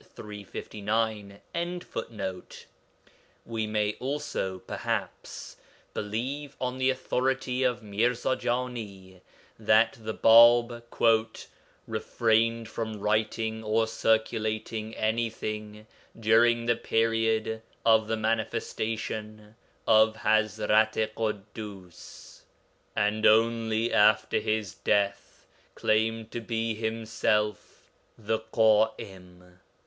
359.] We may also, perhaps, believe on the authority of Mirza Jani that the Bāb 'refrained from writing or circulating anything during the period of the "Manifestation" of Ḥazrat i Ḳuddus, and only after his death claimed to be himself the Ḳa'im.'